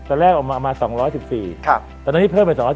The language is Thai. ตอนแรกออกมา๒๑๔ตอนนี้เพิ่มเป็น๒๑๖แล้ว